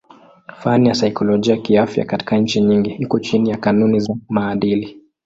Fani ya saikolojia kiafya katika nchi nyingi iko chini ya kanuni za maadili.